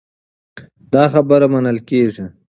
دا خبره منل کېږي.